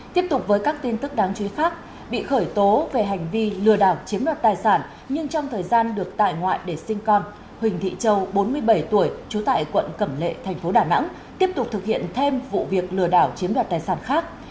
tiếp tục với các tin tức đáng chú ý khác bị khởi tố về hành vi lừa đảo chiếm đoạt tài sản nhưng trong thời gian được tại ngoại để sinh con huỳnh thị châu bốn mươi bảy tuổi trú tại quận cẩm lệ thành phố đà nẵng tiếp tục thực hiện thêm vụ việc lừa đảo chiếm đoạt tài sản khác